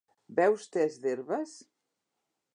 Beus tes d'herbes?